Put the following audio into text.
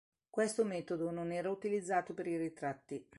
Questo metodo non era utilizzato per i ritratti.